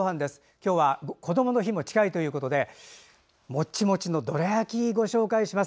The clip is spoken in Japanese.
今日はこどもの日も近いということでもちもちのどら焼きご紹介します。